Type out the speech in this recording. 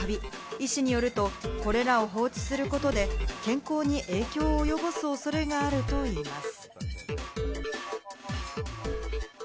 医師によると、これらを放置することで、健康に影響を及ぼす恐れがあるといいます。